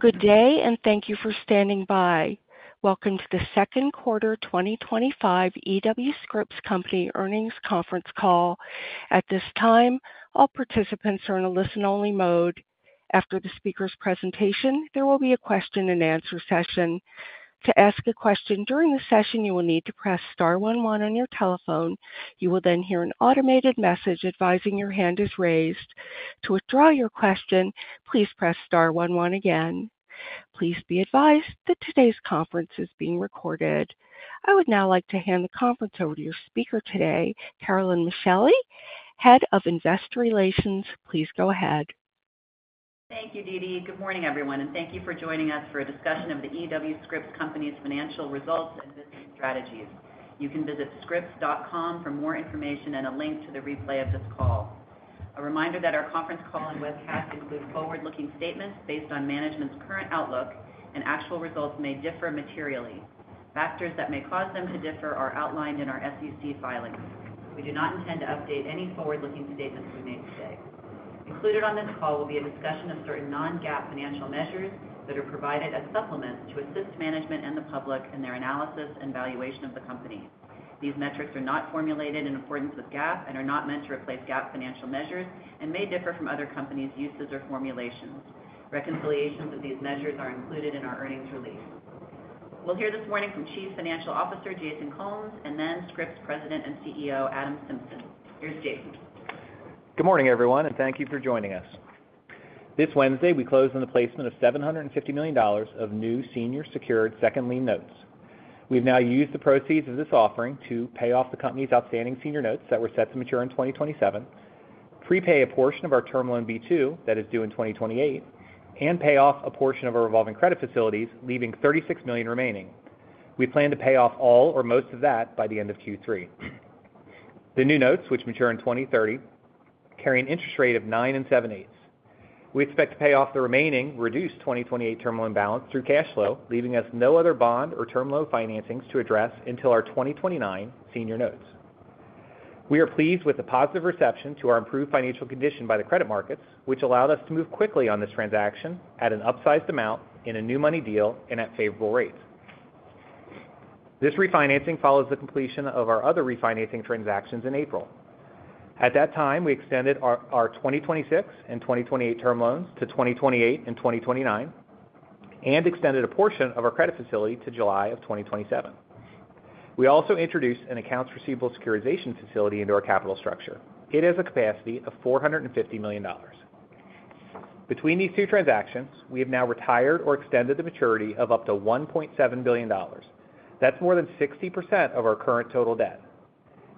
Good day, and thank you for standing by. Welcome to the second quarter 2025 E.W. Scripps Company's Earnings Conference Call. At this time, all participants are in a listen-only mode. After the speaker's presentation, there will be a question-and-answer session. To ask a question during the session, you will need to press star one one on your telephone. You will then hear an automated message advising your hand is raised. To withdraw your question, please press star one one again. Please be advised that today's conference is being recorded. I would now like to hand the conference over to your speaker today, Carolyn Micheli, Head of Investor Relations. Please go ahead. Thank you, Deedi. Good morning, everyone, and thank you for joining us for a discussion of The E.W. Scripps Company's financial results and strategies. You can visit scripps.com for more information and a link to the replay of this call. A reminder that our conference call and webcast include forward-looking statements based on management's current outlook, and actual results may differ materially. Factors that may cause them to differ are outlined in our SEC filings. We do not intend to update any forward-looking statements we made today. Included on this call will be a discussion of certain non-GAAP financial measures that are provided as supplements to assist management and the public in their analysis and valuation of the company. These metrics are not formulated in accordance with GAAP and are not meant to replace GAAP financial measures and may differ from other companies' uses or formulations. Reconciliations of these measures are included in our earnings release. We'll hear this morning from Chief Financial Officer Jason Combs and then Scripps President and CEO Adam Symson. Here's Jason. Good morning, everyone, and thank you for joining us. This Wednesday, we close on the placement of $750 million of new senior secured second lien notes. We've now used the proceeds of this offering to pay off the company's outstanding senior notes that were set to mature in 2027, prepay a portion of our term loan B2 that is due in 2028, and pay off a portion of our revolving credit facilities, leaving $36 million remaining. We plan to pay off all or most of that by the end of Q3. The new notes, which mature in 2030, carry an interest rate of 9.78%. We expect to pay off the remaining reduced 2028 term loan balance through cash flow, leaving us no other bond or term loan financings to address until our 2029 senior notes. We are pleased with the positive reception to our improved financial condition by the credit markets, which allowed us to move quickly on this transaction at an upsized amount in a new money deal and at favorable rates. This refinancing follows the completion of our other refinancing transactions in April. At that time, we extended our 2026 and 2028 term loans to 2028 and 2029, and extended a portion of our credit facility to July of 2027. We also introduced an accounts receivable securitization facility into our capital structure. It has a capacity of $450 million. Between these two transactions, we have now retired or extended the maturity of up to $1.7 billion. That's more than 60% of our current total debt.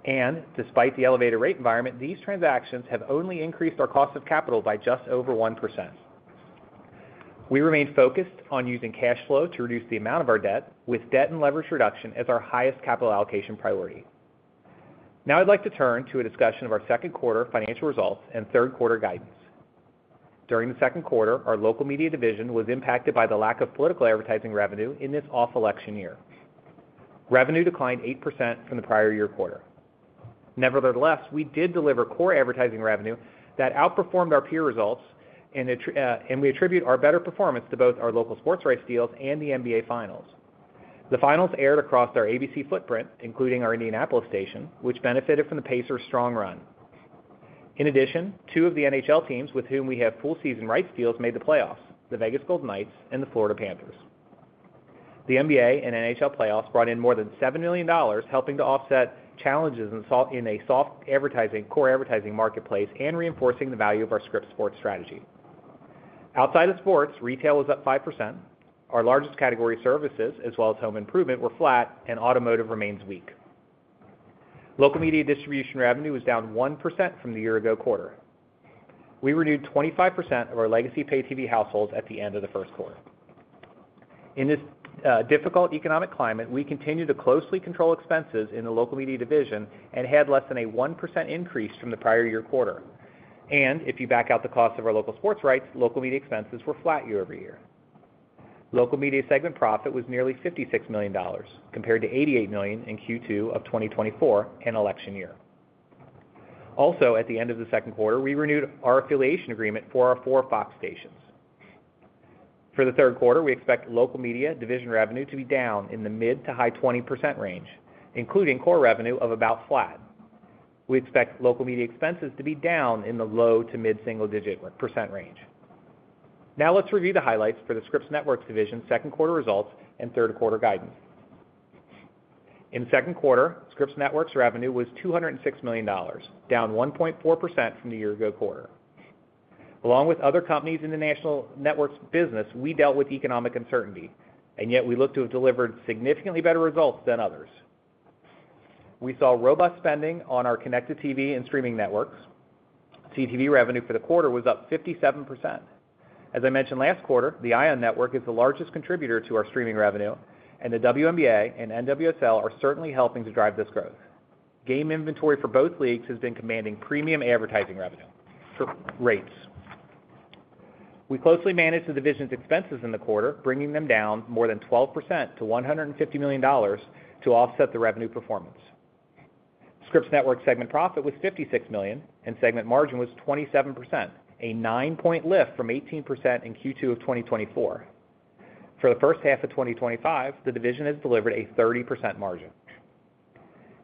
Despite the elevated rate environment, these transactions have only increased our cost of capital by just over 1%. We remain focused on using cash flow to reduce the amount of our debt, with debt and leverage reduction as our highest capital allocation priority. Now I'd like to turn to a discussion of our second quarter financial results and third quarter guidance. During the second quarter, our local media division was impacted by the lack of political advertising revenue in this off-election year. Revenue declined 8% from the prior year quarter. Nevertheless, we did deliver core advertising revenue that outperformed our peer results, and we attribute our better performance to both our local sports rights deals and the NBA Finals. The Finals aired across our ABC footprint, including our Indianapolis station, which benefited from the Pacers' strong run. In addition, two of the NHL teams with whom we have full-season rights deals made the playoffs, the Vegas Golden Knights and the Florida Panthers. The NBA and NHL playoffs brought in more than $7 million, helping to offset challenges in a soft advertising, core advertising marketplace and reinforcing the value of our Scripps Sports strategy. Outside of sports, retail was up 5%. Our largest category, services, as well as home improvement, were flat, and automotive remains weak. Local media distribution revenue was down 1% from the year-ago quarter. We renewed 25% of our legacy pay-TV households at the end of the first quarter. In this difficult economic climate, we continue to closely control expenses in the local media division and had less than a 1% increase from the prior year quarter. If you back out the cost of our local sports rights, local media expenses were flat year-over-year. Local media segment profit was nearly $56 million, compared to $88 million in Q2 of 2024, an election year. At the end of the second quarter, we renewed our affiliation agreement for our four Fox stations. For the third quarter, we expect local media division revenue to be down in the mid to high 20% range, including core revenue of about flat. We expect local media expenses to be down in the low to mid-single-digit % range. Now let's review the highlights for the Scripps Networks Division's second quarter results and third quarter guidance. In the second quarter, Scripps Networks revenue was $206 million, down 1.4% from the year-ago quarter. Along with other companies in the national networks business, we dealt with economic uncertainty, and yet we look to have delivered significantly better results than others. We saw robust spending on our connected TV and streaming networks. CTV revenue for the quarter was up 57%. As I mentioned last quarter, the Ion Network is the largest contributor to our streaming revenue, and the WNBA and NWSL are certainly helping to drive this growth. Game inventory for both leagues has been commanding premium advertising revenue rates. We closely managed the division's expenses in the quarter, bringing them down more than 12% to $150 million to offset the revenue performance. Scripps Networks' segment profit was $56 million, and segment margin was 27%, a 9-point lift from 18% in Q2 of 2024. For the first half of 2025, the division has delivered a 30% margin.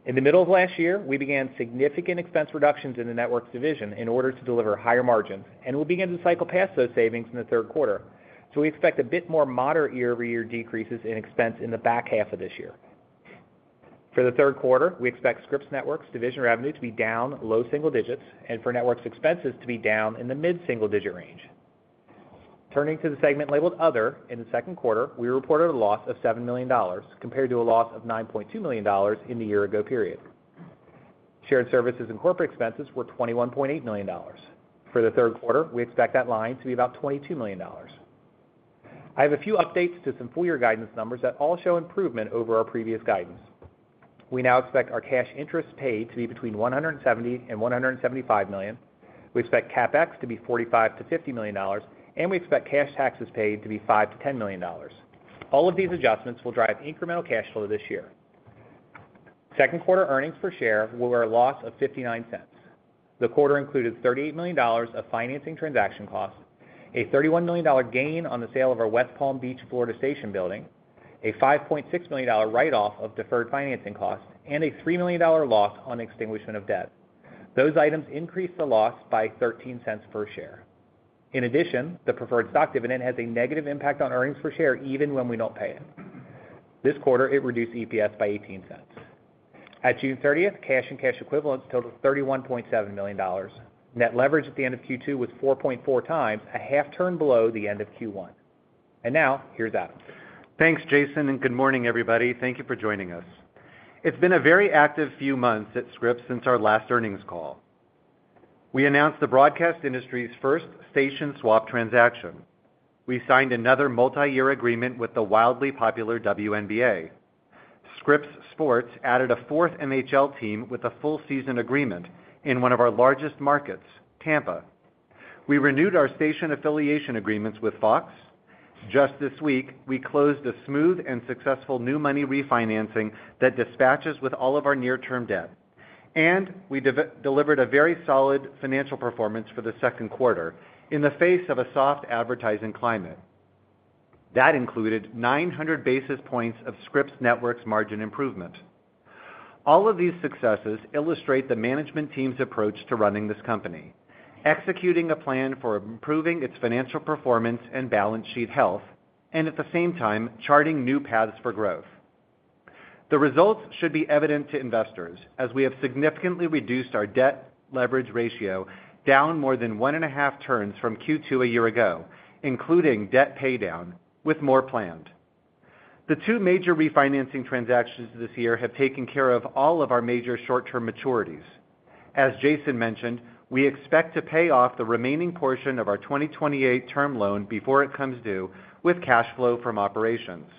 In the middle of last year, we began significant expense reductions in the Networks Division in order to deliver higher margins, and we'll begin to cycle past those savings in the third quarter. We expect a bit more moderate year-over-year decreases in expense in the back half of this year. For the third quarter, we expect Scripps Networks' division revenue to be down low single digits and for Networks' expenses to be down in the mid-single-digit range. Turning to the segment labeled Other, in the second quarter, we reported a loss of $7 million compared to a loss of $9.2 million in the year-ago period. Shared services and corporate expenses were $21.8 million. For the third quarter, we expect that line to be about $22 million. I have a few updates to some full-year guidance numbers that all show improvement over our previous guidance. We now expect our cash interest paid to be between $170 million-$175 million. We expect CapEx to be $45 million-$50 million, and we expect cash taxes paid to be $5 million-$10 million. All of these adjustments will drive incremental cash flow this year. Second quarter earnings per share were a loss of $0.59. The quarter included $38 million of financing transaction costs, a $31 million gain on the sale of our West Palm Beach, Florida station building, a $5.6 million write-off of deferred financing costs, and a $3 million loss on extinguishment of debt. Those items increased the loss by $0.13 per share. In addition, the preferred stock dividend has a negative impact on earnings per share even when we don't pay it. This quarter, it reduced EPS by $0.18. At June 30th, cash and cash equivalents totaled $31.7 million. Net leverage at the end of Q2 was 4.4x, a half turn below the end of Q1. Now, here's Adam. Thanks, Jason, and good morning, everybody. Thank you for joining us. It's been a very active few months at Scripps since our last earnings call. We announced the broadcast industry's first station swap transaction. We signed another multi-year agreement with the wildly popular WNBA. Scripps Sports added a fourth NHL team with a full-season agreement in one of our largest markets, Tampa. We renewed our station affiliation agreements with Fox. Just this week, we closed the smooth and successful new money refinancing that dispatches with all of our near-term debt. We delivered a very solid financial performance for the second quarter in the face of a soft advertising climate. That included 900 basis points of Scripps Networks' margin improvement. All of these successes illustrate the management team's approach to running this company, executing a plan for improving its financial performance and balance sheet health, and at the same time, charting new paths for growth. The results should be evident to investors, as we have significantly reduced our debt-to-leverage ratio down more than one and a half turns from Q2 a year ago, including debt paydown, with more planned. The two major refinancing transactions this year have taken care of all of our major short-term maturities. As Jason mentioned, we expect to pay off the remaining portion of our 2028 term loan before it comes due with cash flow from operations.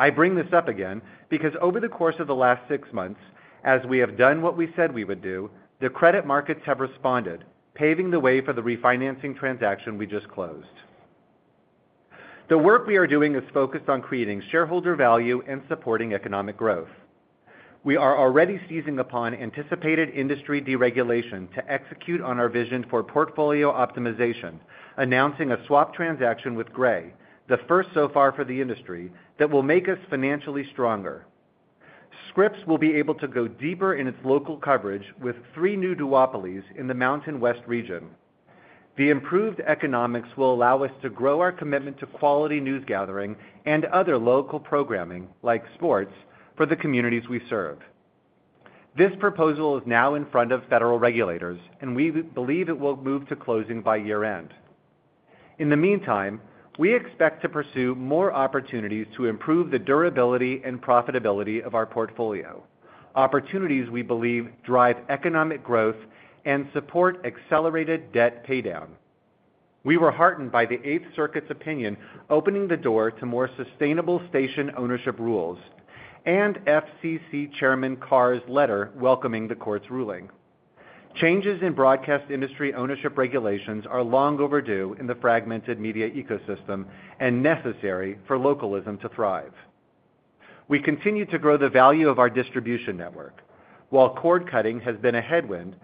I bring this up again because over the course of the last six months, as we have done what we said we would do, the credit markets have responded, paving the way for the refinancing transaction we just closed. The work we are doing is focused on creating shareholder value and supporting economic growth. We are already seizing upon anticipated industry deregulation to execute on our vision for portfolio optimization, announcing a swap transaction with Gray, the first so far for the industry, that will make us financially stronger. Scripps will be able to go deeper in its local coverage with three new duopolies in the Mountain West region. The improved economics will allow us to grow our commitment to quality news gathering and other local programming, like sports, for the communities we serve. This proposal is now in front of federal regulators, and we believe it will move to closing by year-end. In the meantime, we expect to pursue more opportunities to improve the durability and profitability of our portfolio, opportunities we believe drive economic growth and support accelerated debt paydown. We were heartened by the Eighth Circuit's opinion opening the door to more sustainable station ownership rules and FCC Commissioner Carr's letter welcoming the court's ruling. Changes in broadcast industry ownership regulations are long overdue in the fragmented media ecosystem and necessary for localism to thrive. We continue to grow the value of our distribution network. While cord-cutting has been a headwind,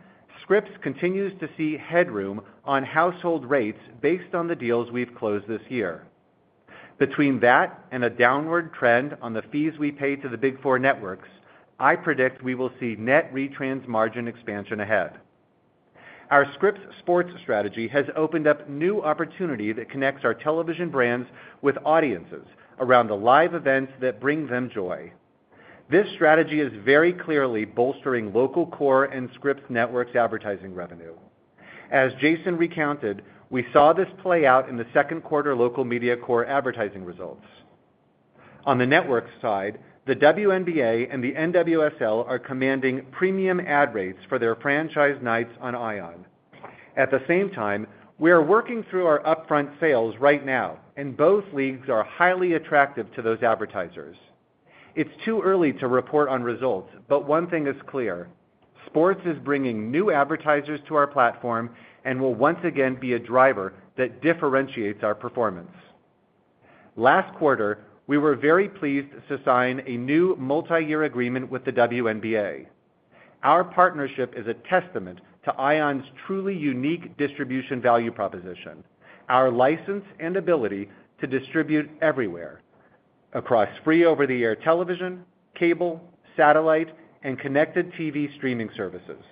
Scripps continues to see headroom on household rates based on the deals we've closed this year. Between that and a downward trend on the fees we pay to the Big Four networks, I predict we will see net retransmission margin expansion ahead. Our Scripps Sports strategy has opened up new opportunity that connects our television brands with audiences around the live events that bring them joy. This strategy is very clearly bolstering local core and Scripps Networks' advertising revenue. As Jason recounted, we saw this play out in the second quarter local media core advertising results. On the networks side, the WNBA and the NWSL are commanding premium ad rates for their franchise nights on Ion. At the same time, we are working through our upfront sales right now, and both leagues are highly attractive to those advertisers. It's too early to report on results, but one thing is clear: sports is bringing new advertisers to our platform and will once again be a driver that differentiates our performance. Last quarter, we were very pleased to sign a new multi-year agreement with the WNBA. Our partnership is a testament to Ion's truly unique distribution value proposition, our license and ability to distribute everywhere across free over-the-air television, cable, satellite, and connected TV streaming services.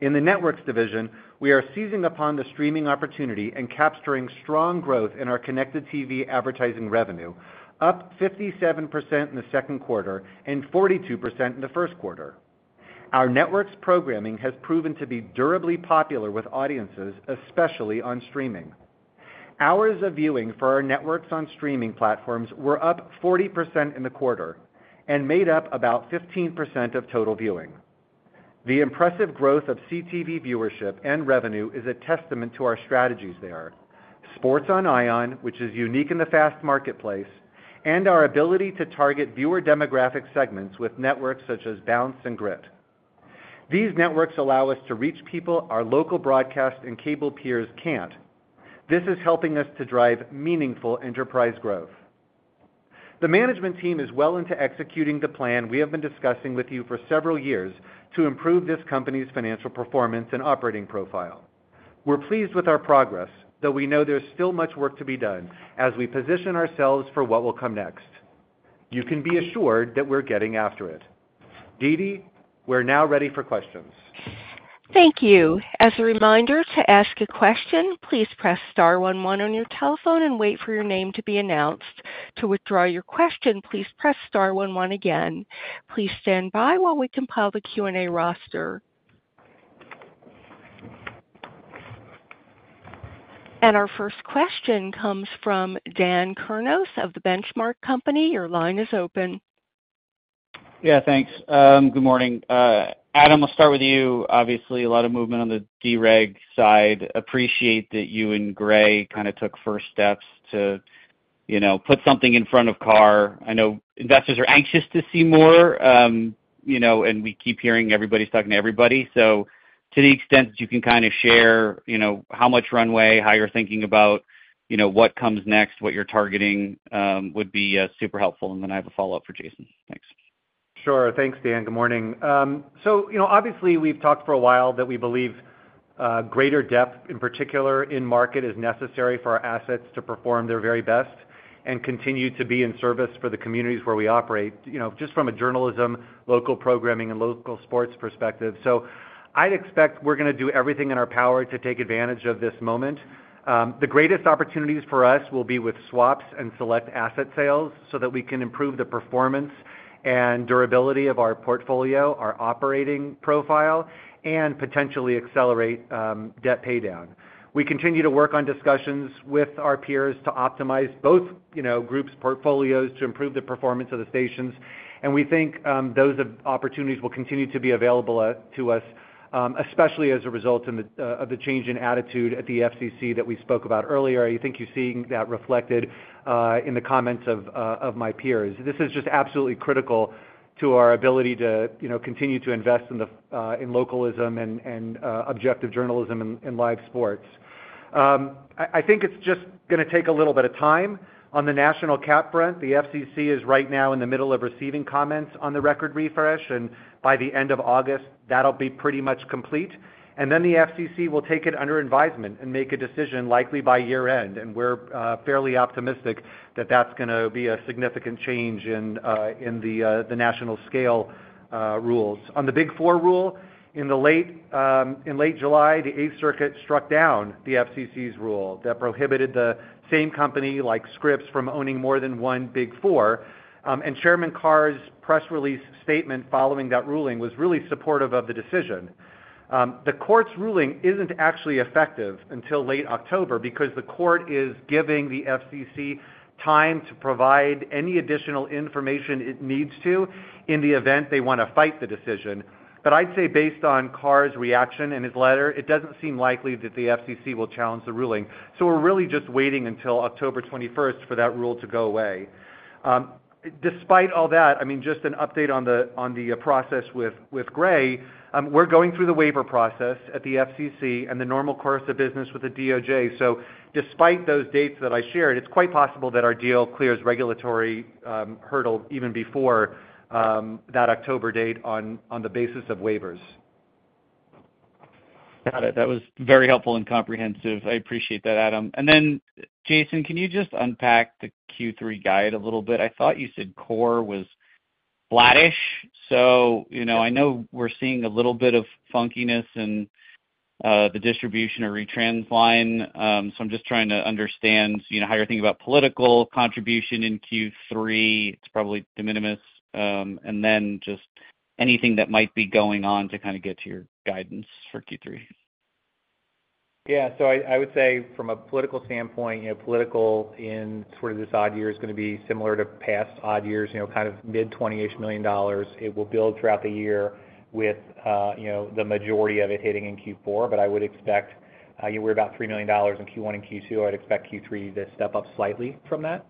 In the networks division, we are seizing upon the streaming opportunity and capturing strong growth in our connected TV advertising revenue, up 57% in the second quarter and 42% in the first quarter. Our networks programming has proven to be durably popular with audiences, especially on streaming. Hours of viewing for our networks on streaming platforms were up 40% in the quarter and made up about 15% of total viewing. The impressive growth of CTV viewership and revenue is a testament to our strategies there, sports on Ion, which is unique in the fast marketplace, and our ability to target viewer demographic segments with networks such as Bounce and Grit. These networks allow us to reach people our local broadcast and cable peers can't. This is helping us to drive meaningful enterprise growth. The management team is well into executing the plan we have been discussing with you for several years to improve this company's financial performance and operating profile. We're pleased with our progress, though we know there's still much work to be done as we position ourselves for what will come next. You can be assured that we're getting after it. Deedi, we're now ready for questions. Thank you. As a reminder, to ask a question, please press star one one on your telephone and wait for your name to be announced. To withdraw your question, please press star one one again. Please stand by while we compile the Q&A roster. Our first question comes from Dan Kurnos of The Benchmark Company. Your line is open. Yeah, thanks. Good morning. Adam, we'll start with you. Obviously, a lot of movement on the DREG side. Appreciate that you and Gray kind of took first steps to put something in front of Carr. I know investors are anxious to see more, and we keep hearing everybody's talking to everybody. To the extent that you can kind of share how much runway, how you're thinking about what comes next, what you're targeting would be super helpful. I have a follow-up for Jason. Thanks. Sure. Thanks, Dan. Good morning. Obviously we've talked for a while that we believe greater depth, in particular in market, is necessary for our assets to perform their very best and continue to be in service for the communities where we operate, just from a journalism, local programming, and local sports perspective. I'd expect we're going to do everything in our power to take advantage of this moment. The greatest opportunities for us will be with swaps and select asset sales so that we can improve the performance and durability of our portfolio, our operating profile, and potentially accelerate debt paydown. We continue to work on discussions with our peers to optimize both groups' portfolios to improve the performance of the stations. We think those opportunities will continue to be available to us, especially as a result of the change in attitude at the FCC that we spoke about earlier. I think you're seeing that reflected in the comments of my peers. This is just absolutely critical to our ability to continue to invest in localism and objective journalism in live sports. I think it's just going to take a little bit of time. On the national CAP front, the FCC is right now in the middle of receiving comments on the record refresh, and by the end of August, that'll be pretty much complete. The FCC will take it under advisement and make a decision likely by year-end. We're fairly optimistic that that's going to be a significant change in the national scale rules. On the Big Four rule, in late July, the Eighth Circuit struck down the FCC's rule that prohibited the same company like Scripps from owning more than one Big Four. Chairman Carr's press release statement following that ruling was really supportive of the decision. The court's ruling isn't actually effective until late October because the court is giving the FCC time to provide any additional information it needs to in the event they want to fight the decision. I'd say based on Carr's reaction and his letter, it doesn't seem likely that the FCC will challenge the ruling. We're really just waiting until October 21st for that rule to go away. Despite all that, just an update on the process with Gray, we're going through the waiver process at the FCC and the normal course of business with the DOJ. Despite those dates that I shared, it's quite possible that our deal clears regulatory hurdle even before that October date on the basis of waivers. Got it. That was very helpful and comprehensive. I appreciate that, Adam. Jason, can you just unpack the Q3 guide a little bit? I thought you said core was flattish. I know we're seeing a little bit of funkiness in the distribution or retrans line. I'm just trying to understand how you're thinking about political contribution in Q3. It's probably de minimis. Is there anything that might be going on to get to your guidance for Q3? Yeah, so I would say from a political standpoint, political in sort of this odd year is going to be similar to past odd years, kind of mid-$20 million. It will build throughout the year with the majority of it hitting in Q4. I would expect we're about $3 million in Q1 and Q2. I would expect Q3 to step up slightly from that.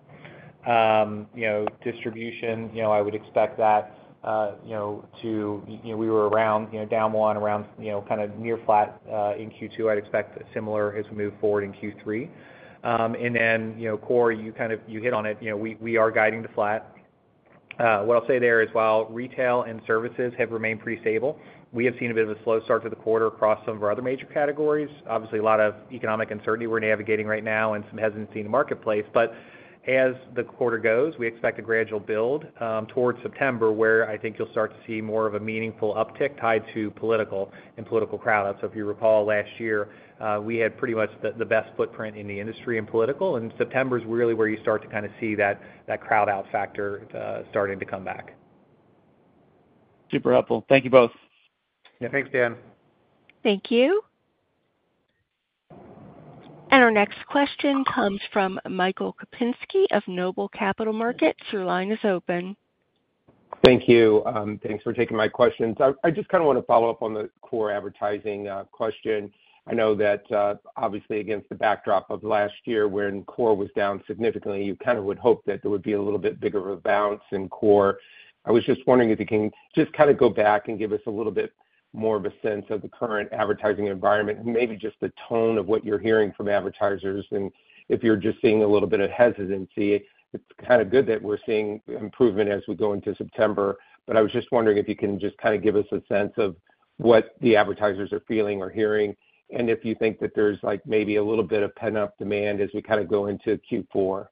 Distribution, I would expect that to, we were around, down one, around kind of near flat in Q2. I'd expect a similar as we move forward in Q3. Then, core, you hit on it. We are guiding to flat. What I'll say there is while retail and services have remained pretty stable, we have seen a bit of a slow start to the quarter across some of our other major categories. Obviously, a lot of economic uncertainty we're navigating right now and some hesitancy in the marketplace. As the quarter goes, we expect a gradual build towards September where I think you'll start to see more of a meaningful uptick tied to political and political crowd out. If you recall last year, we had pretty much the best footprint in the industry in political. September is really where you start to see that crowd out factor starting to come back. Super helpful. Thank you both. Yeah, thanks, Dan. Thank you. Our next question comes from Michael Kupinski of Noble Capital Markets. Your line is open. Thank you. Thanks for taking my questions. I just want to follow up on the core advertising question. I know that obviously against the backdrop of last year when core was down significantly, you would hope that there would be a little bit bigger of a bounce in core. I was just wondering if you can go back and give us a little bit more of a sense of the current advertising environment and maybe just the tone of what you're hearing from advertisers. If you're seeing a little bit of hesitancy, it's good that we're seeing improvement as we go into September. I was just wondering if you can give us a sense of what the advertisers are feeling or hearing and if you think that there's maybe a little bit of pent-up demand as we go into Q4.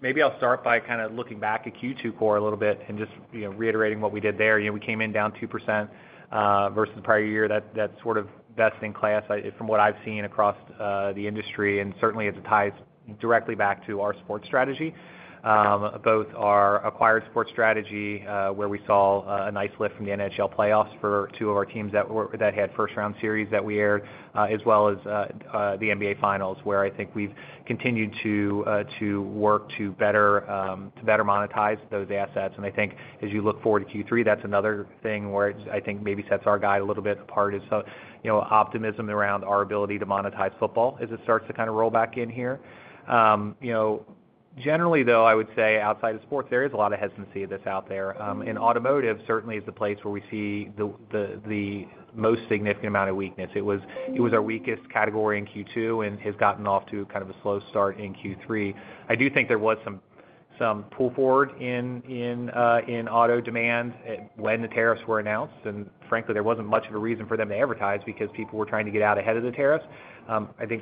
Maybe I'll start by kind of looking back at Q2 core a little bit and just reiterating what we did there. We came in down 2% versus the prior year. That's sort of best-in-class from what I've seen across the industry. It ties directly back to our sports strategy, both our acquired sports strategy, where we saw a nice lift from the NHL playoffs for two of our teams that had first-round series that we aired, as well as the NBA Finals, where I think we've continued to work to better monetize those assets. As you look forward to Q3, that's another thing where I think maybe sets our guide a little bit apart, optimism around our ability to monetize football as it starts to kind of roll back in here. Generally, though, I would say outside of sports, there is a lot of hesitancy that's out there. Automotive certainly is the place where we see the most significant amount of weakness. It was our weakest category in Q2 and has gotten off to kind of a slow start in Q3. I do think there was some pull forward in auto demand when the tariffs were announced. Frankly, there wasn't much of a reason for them to advertise because people were trying to get out ahead of the tariffs.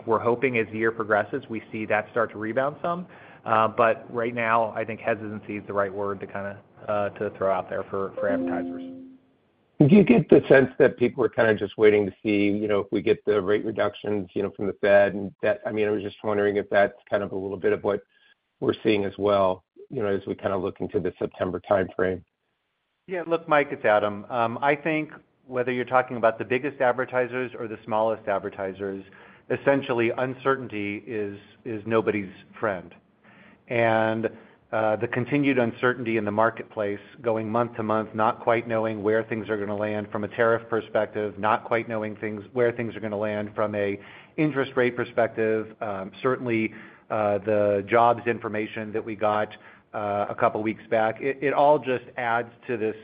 We're hoping as the year progresses, we see that start to rebound some. Right now, I think hesitancy is the right word to kind of throw out there for advertisers. Do you get the sense that people are kind of just waiting to see if we get the rate reductions from the Fed? I was just wondering if that's kind of a little bit of what we're seeing as well as we kind of look into the September timeframe. Yeah, look, Mike, it's Adam. I think whether you're talking about the biggest advertisers or the smallest advertisers, essentially, uncertainty is nobody's friend. The continued uncertainty in the marketplace going month to month, not quite knowing where things are going to land from a tariff perspective, not quite knowing where things are going to land from an interest rate perspective. Certainly, the jobs information that we got a couple of weeks back, it all just adds to this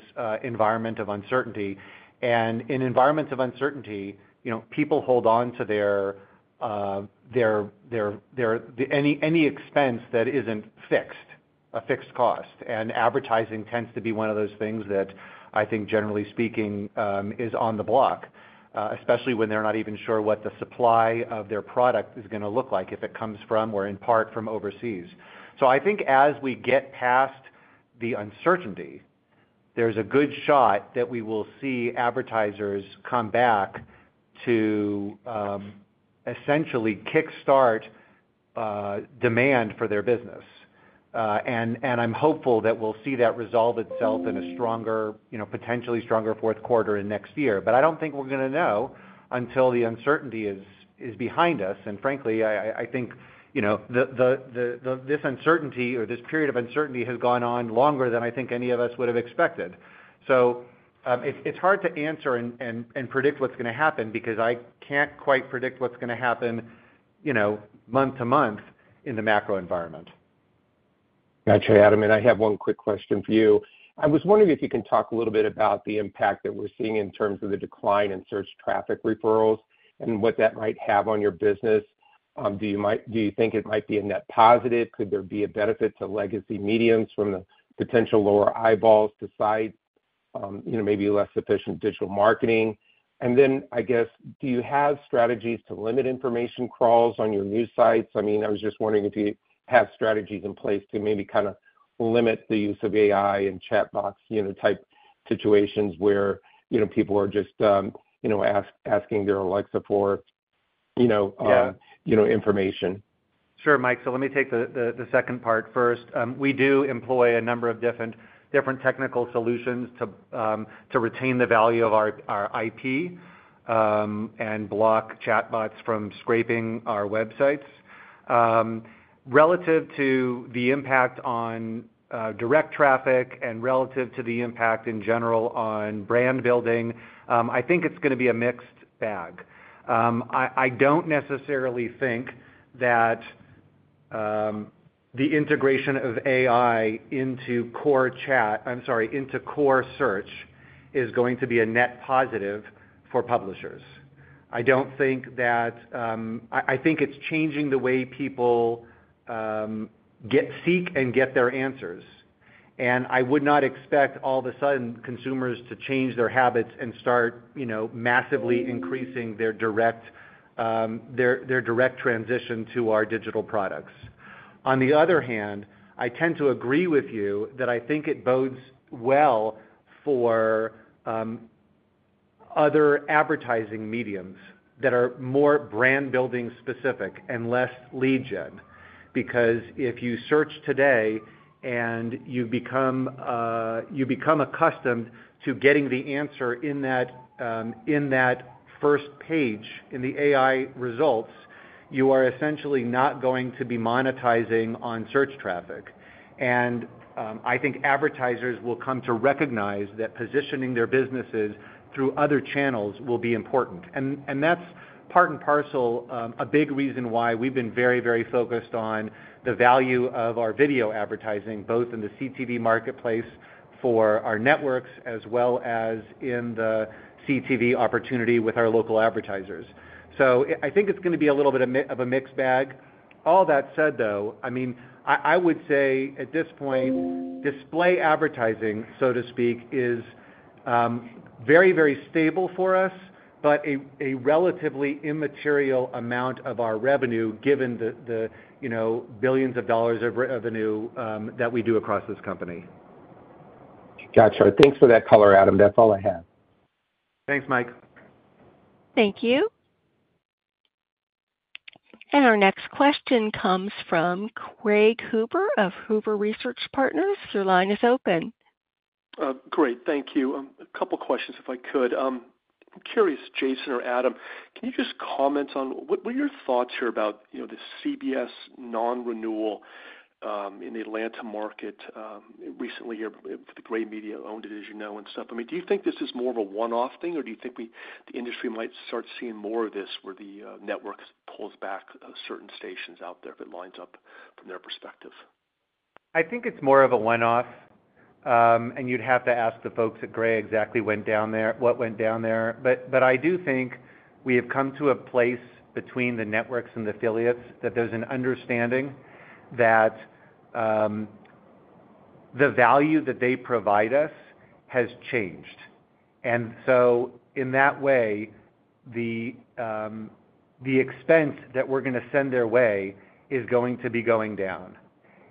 environment of uncertainty. In environments of uncertainty, people hold on to any expense that isn't a fixed cost. Advertising tends to be one of those things that, generally speaking, is on the block, especially when they're not even sure what the supply of their product is going to look like if it comes from or in part from overseas. I think as we get past the uncertainty, there's a good shot that we will see advertisers come back to essentially kickstart demand for their business. I'm hopeful that we'll see that resolve itself in a stronger, potentially stronger fourth quarter in next year. I don't think we're going to know until the uncertainty is behind us. Frankly, I think this uncertainty or this period of uncertainty has gone on longer than I think any of us would have expected. It's hard to answer and predict what's going to happen because I can't quite predict what's going to happen month to month in the macro environment. Gotcha, Adam. I have one quick question for you. I was wondering if you can talk a little bit about the impact that we're seeing in terms of the decline in search traffic referrals and what that might have on your business. Do you think it might be a net positive? Could there be a benefit to legacy mediums from the potential lower eyeballs to sites, maybe less efficient digital marketing? Do you have strategies to limit information crawls on your news sites? I was just wondering if you have strategies in place to maybe kind of limit the use of AI and chatbots, type situations where people are just asking their Alexa for information. Sure, Mike. Let me take the second part first. We do employ a number of different technical solutions to retain the value of our IP and block chatbots from scraping our websites. Relative to the impact on direct traffic and relative to the impact in general on brand building, I think it's going to be a mixed bag. I don't necessarily think that the integration of AI into core search is going to be a net positive for publishers. I think it's changing the way people seek and get their answers. I would not expect all of a sudden consumers to change their habits and start massively increasing their direct transition to our digital products. On the other hand, I tend to agree with you that I think it bodes well for other advertising mediums that are more brand building specific and less lead gen. If you search today and you become accustomed to getting the answer in that first page in the AI results, you are essentially not going to be monetizing on search traffic. I think advertisers will come to recognize that positioning their businesses through other channels will be important. That's part and parcel a big reason why we've been very, very focused on the value of our video advertising, both in the connected TV (CTV) marketplace for our networks, as well as in the CTV opportunity with our local advertisers. I think it's going to be a little bit of a mixed bag. All that said, I would say at this point, display advertising, so to speak, is very, very stable for us, but a relatively immaterial amount of our revenue given the billions of dollars of revenue that we do across this company Gotcha. Thanks for that color, Adam. That's all I have. Thanks, Mike. Thank you. Our next question comes from Craig Huber of Huber Research Partners. Your line is open. Great. Thank you. A couple of questions if I could. I'm curious, Jason or Adam, can you just comment on what are your thoughts here about the CBS non-renewal in the Atlanta market recently with the Gray Television owned it, as you know, and stuff? Do you think this is more of a one-off thing, or do you think the industry might start seeing more of this where the networks pull back certain stations out there if it lines up from their perspective? I think it's more of a one-off, and you'd have to ask the folks at Gray exactly what went down there. I do think we have come to a place between the networks and the affiliates that there's an understanding that the value that they provide us has changed. In that way, the expense that we're going to send their way is going to be going down.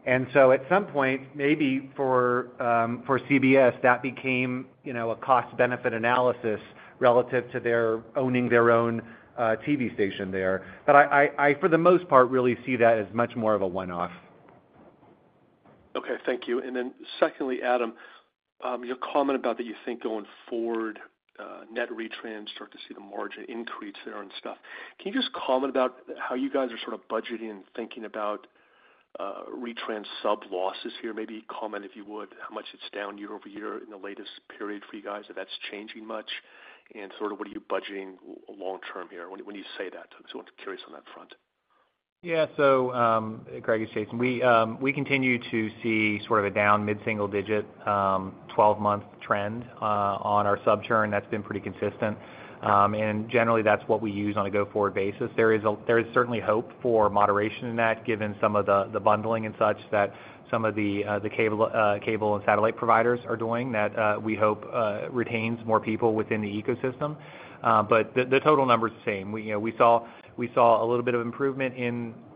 At some point, maybe for CBS, that became, you know, a cost-benefit analysis relative to owning their own TV station there. I, for the most part, really see that as much more of a one-off. Okay. Thank you. Adam, your comment about that you think going forward, net retrans start to see the margin increase there and stuff. Can you just comment about how you guys are sort of budgeting and thinking about retrans sub-losses here? Maybe comment if you would, how much it's down year-over-year in the latest period for you guys, if that's changing much, and what are you budgeting long-term here when you say that? I'm curious on that front. Yeah. Craig, it's Jason. We continue to see sort of a down mid-single digit 12-month trend on our sub-churn that's been pretty consistent. Generally, that's what we use on a go-forward basis. There is certainly hope for moderation in that, given some of the bundling and such that some of the cable and satellite providers are doing that we hope retains more people within the ecosystem. The total number is the same. We saw a little bit of improvement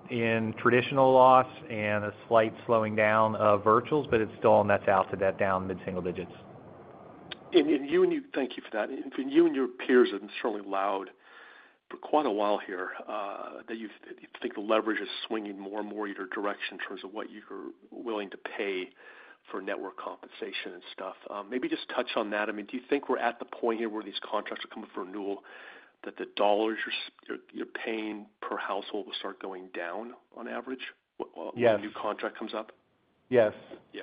in traditional loss and a slight slowing down of virtuals, but it's still a net out to that down mid-single digits. Thank you for that. You and your peers have been certainly loud for quite a while here that you think the leverage is swinging more and more in your direction in terms of what you're willing to pay for network compensation and stuff. Maybe just touch on that. I mean, do you think we're at the point here where these contracts are coming for renewal that the dollars you're paying per household will start going down on average when a new contract comes up? Yes,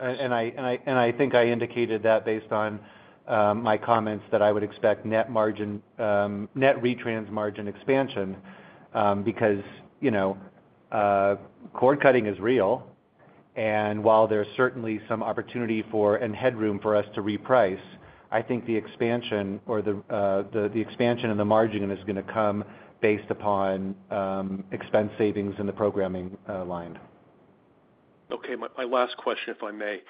I think I indicated that based on my comments that I would expect net retrans margin expansion because, you know, cord-cutting is real. While there's certainly some opportunity and headroom for us to reprice, I think the expansion in the margin is going to come based upon expense savings in the programming line. Okay. My last question, if I may,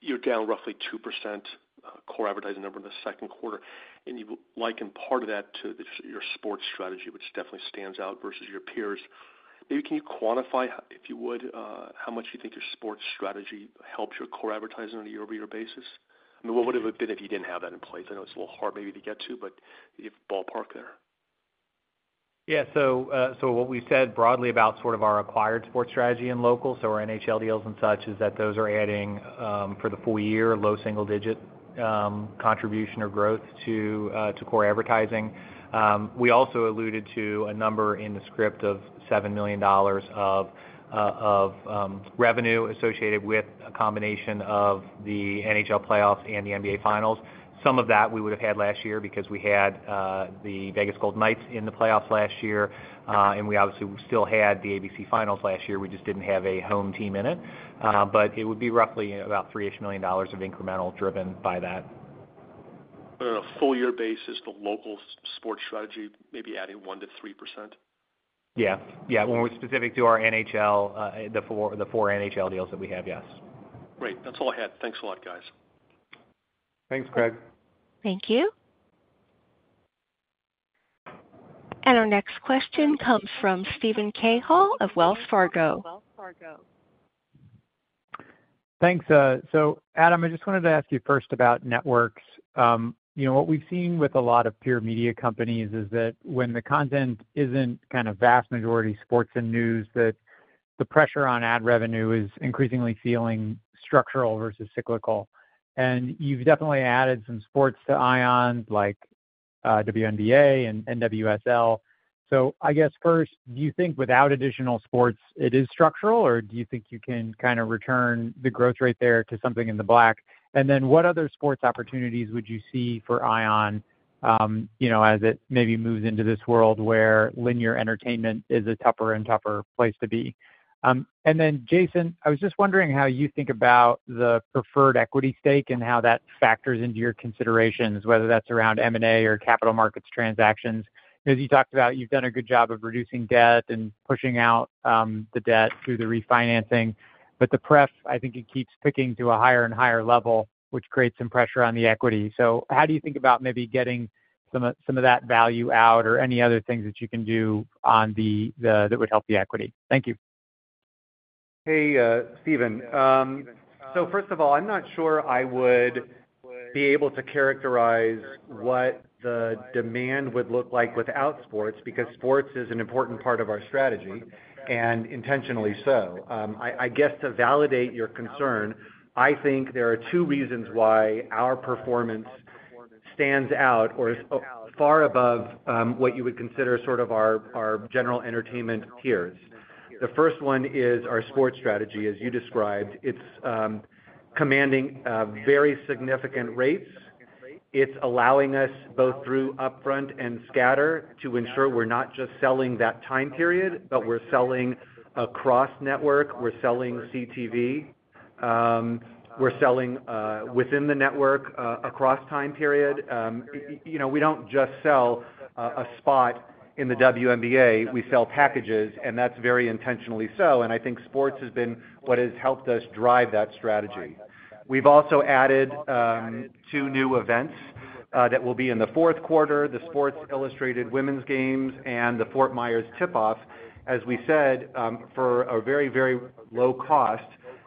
you're down roughly 2% core advertising number in the second quarter. You liken part of that to your sports strategy, which definitely stands out versus your peers. Maybe can you quantify, if you would, how much you think your sports strategy helps your core advertising on a year-over-year basis? I mean, what would it have been if you didn't have that in place? I know it's a little hard maybe to get to, but you have a ballpark there. Yeah. What we've said broadly about sort of our acquired sports strategy in local, so our NHL deals and such, is that those are adding for the full year, low single-digit contribution or growth to core advertising. We also alluded to a number in the script of $7 million of revenue associated with a combination of the NHL playoffs and the NBA Finals. Some of that we would have had last year because we had the Vegas Golden Knights in the playoffs last year. We obviously still had the ABC Finals last year. We just didn't have a home team in it. It would be roughly about $3 million of incremental driven by that. On a full-year basis, the local sports strategy, maybe adding 1%-3%? When we're specific to our NHL, the four NHL deals that we have, yes. Great. That's all I had. Thanks a lot, guys. Thanks, Craig. Thank you. Our next question comes from Steven Cahall of Wells Fargo. Thanks. Adam, I just wanted to ask you first about networks. What we've seen with a lot of peer media companies is that when the content isn't kind of vast majority sports and news, the pressure on ad revenue is increasingly feeling structural versus cyclical. You've definitely added some sports to Ion, like WNBA and NWSL. I guess first, do you think without additional sports, it is structural, or do you think you can kind of return the growth rate there to something in the black? What other sports opportunities would you see for Ion as it maybe moves into this world where linear entertainment is a tougher and tougher place to be? Jason, I was just wondering how you think about the preferred equity stake and how that factors into your considerations, whether that's around M&A or capital markets transactions. As you talked about, you've done a good job of reducing debt and pushing out the debt through the refinancing. The pref, I think it keeps picking to a higher and higher level, which creates some pressure on the equity. How do you think about maybe getting some of that value out or any other things that you can do that would help the equity? Thank you. Hey, Stephen. First of all, I'm not sure I would be able to characterize what the demand would look like without sports because sports is an important part of our strategy, and intentionally so. I guess to validate your concern, I think there are two reasons why our performance stands out or is far above what you would consider sort of our general entertainment tiers. The first one is our sports strategy, as you described. It's commanding very significant rates. It's allowing us both through upfront and scatter to ensure we're not just selling that time period, but we're selling across network. We're selling CTV. We're selling within the network across time period. You know, we don't just sell a spot in the WNBA. We sell packages, and that's very intentionally so. I think sports has been what has helped us drive that strategy. We've also added two new events that will be in the fourth quarter, the Sports Illustrated Women's Games and the Fort Myers Tipoff, as we said, for a very, very low cost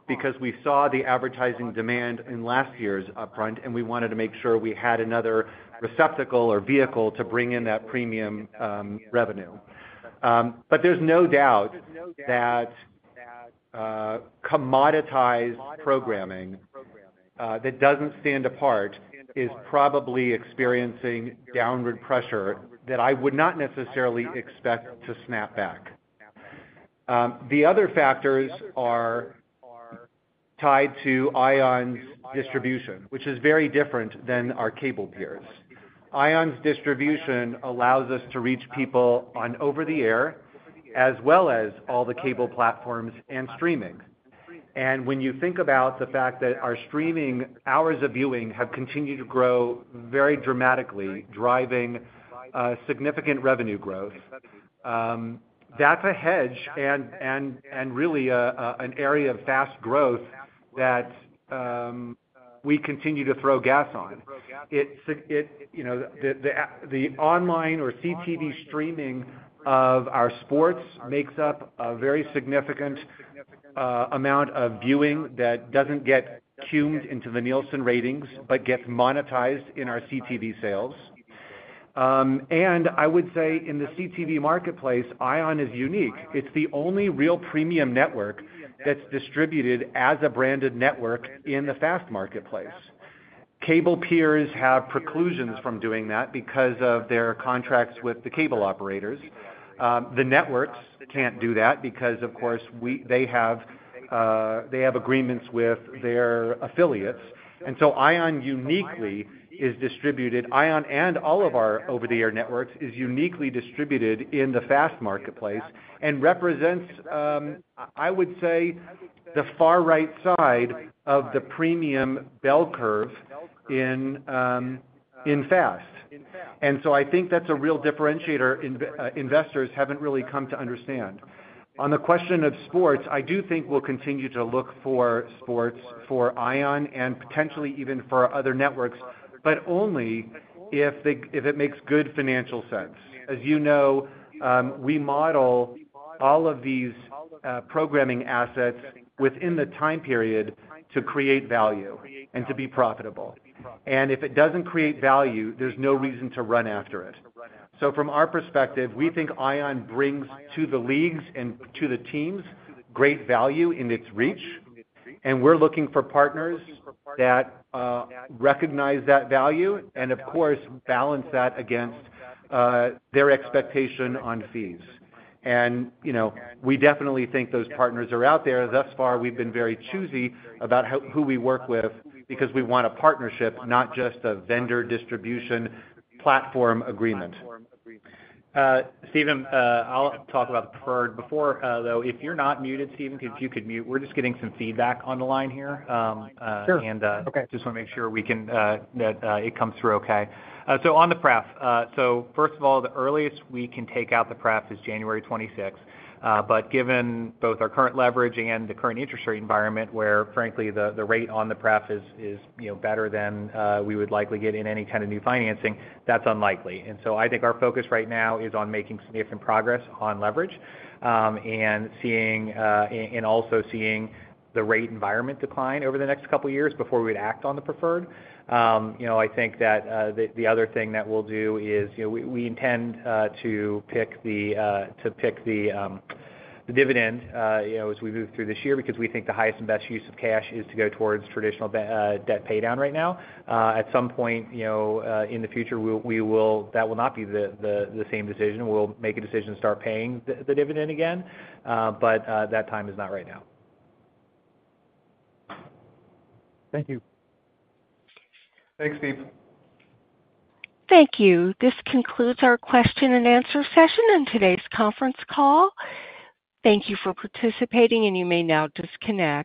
because we saw the advertising demand in last year's upfront, and we wanted to make sure we had another receptacle or vehicle to bring in that premium revenue. There's no doubt that commoditized programming that doesn't stand apart is probably experiencing downward pressure that I would not necessarily expect to snap back. The other factors are tied to Ion's distribution, which is very different than our cable peers. Ion's distribution allows us to reach people on over the air, as well as all the cable platforms and streaming. When you think about the fact that our streaming hours of viewing have continued to grow very dramatically, driving significant revenue growth, that's a hedge and really an area of fast growth that we continue to throw gas on. The online or CTV streaming of our sports makes up a very significant amount of viewing that doesn't get tuned into the Nielsen ratings, but gets monetized in our CTV sales. I would say in the CTV marketplace, Ion is unique. It's the only real premium network that's distributed as a branded network in the FAST marketplace. Cable peers have preclusions from doing that because of their contracts with the cable operators. The networks can't do that because, of course, they have agreements with their affiliates. Ion uniquely is distributed. Ion and all of our over-the-air networks is uniquely distributed in the FAST marketplace and represents, I would say, the far right side of the premium bell curve in FAST. I think that's a real differentiator investors haven't really come to understand. On the question of sports, I do think we'll continue to look for sports for Ion and potentially even for other networks, but only if it makes good financial sense. As you know, we model all of these programming assets within the time period to create value and to be profitable. If it doesn't create value, there's no reason to run after it. From our perspective, we think Ion brings to the leagues and to the teams great value in its reach. We're looking for partners that recognize that value and, of course, balance that against their expectation on fees. We definitely think those partners are out there. Thus far, we've been very choosy about who we work with because we want a partnership, not just a vendor distribution platform agreement. Steve, I'll talk about the preferred before, though. If you're not muted, Steve, if you could mute. We're just getting some feedback on the line here. Sure. I just want to make sure we can that it comes through okay. On the pref, first of all, the earliest we can take out the pref is January 26. Given both our current leverage and the current interest rate environment, where frankly, the rate on the pref is better than we would likely get in any kind of new financing, that's unlikely. I think our focus right now is on making significant progress on leverage and also seeing the rate environment decline over the next couple of years before we would act on the preferred. I think that the other thing that we'll do is, we intend to pick the dividend as we move through this year because we think the highest and best use of cash is to go towards traditional debt paydown right now. At some point in the future, that will not be the same decision. We'll make a decision to start paying the dividend again, but that time is not right now. Thank you. Thanks, Steve. Thank you. This concludes our question-and-answer session in today's conference call. Thank you for participating, and you may now disconnect.